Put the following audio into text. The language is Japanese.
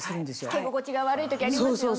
着け心地が悪い時ありますよね。